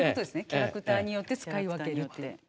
キャラクターによって使い分ける。